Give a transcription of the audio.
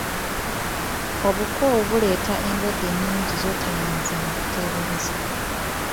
Obukoowu buleeta eddwadde nnyingi z’otoyinza na kuteebereza.